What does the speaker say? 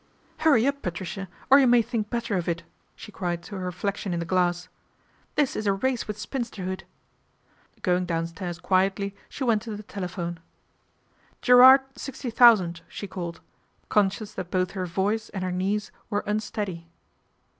" Hurry up, Patricia ! or you may think better of it," she cried to her reflection in the glass. ' This is a race with spinsterhood." Going downstairs quietly she went to the tele phone. " Gerrard 60000," she called, conscious that both her voice and her knees were unsteady.